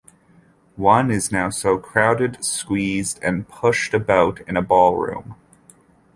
One is now so crowded, squeezed, and pushed about in a ball-room.